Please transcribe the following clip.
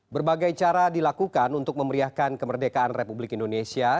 berbagai cara dilakukan untuk memeriahkan kemerdekaan republik indonesia